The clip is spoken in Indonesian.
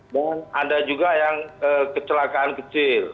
dan ada juga yang kecelakaan kecil